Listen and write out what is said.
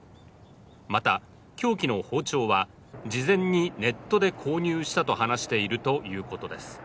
また、凶器の包丁は事前にネットで購入したと話しているということです。